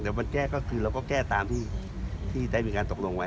แต่มันแก้ก็คือเราก็แก้ตามที่ได้มีการตกลงไว้